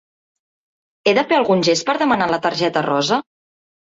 He de fer algun gest per demanar la targeta rosa?